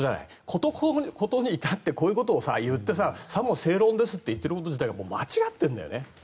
事ここに至ってこういうことを言ってさも正論ですと言っていること自体が間違ってるんだよね。